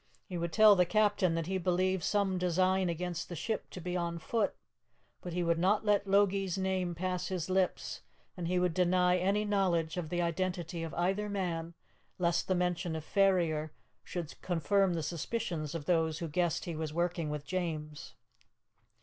He would tell the captain that he believed some design against the ship to be on foot, but he would not let Logie's name pass his lips; and he would deny any knowledge of the identity of either man, lest the mention of Ferrier should confirm the suspicions of those who guessed he was working with James.